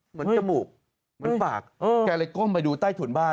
จมูกเหมือนปากแกเลยก้มไปดูใต้ถุนบ้าน